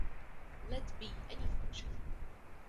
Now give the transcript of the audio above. Let be any function.